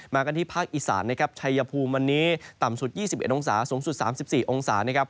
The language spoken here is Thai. กันที่ภาคอีสานนะครับชัยภูมิวันนี้ต่ำสุด๒๑องศาสูงสุด๓๔องศานะครับ